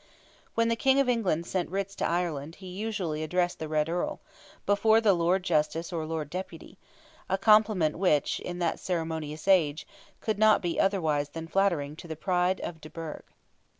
When the King of England sent writs into Ireland, he usually addressed the Red Earl, before the Lord Justice or Lord Deputy—a compliment which, in that ceremonious age, could not be otherwise than flattering to the pride of de Burgh.